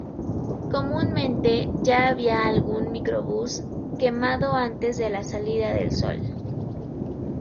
Comúnmente ya había algún microbús quemado antes de la salida del sol.